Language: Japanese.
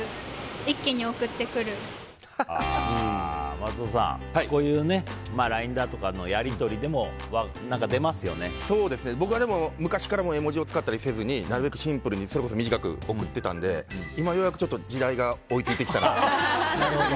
松尾さん、こういうＬＩＮＥだとかのやり取りでも僕は昔から絵文字を使ったりせずになるべくシンプルにそれこそ短く送ってたので今ようやく時代が追い付いてきたなと。